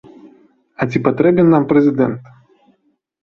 А ці патрэбен нам прэзідэнт?